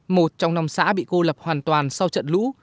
một trong năm xã bị cô lập hoàn toàn sau trận lũ